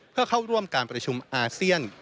เพื่อเข้าร่วมการประชุมอาเซียน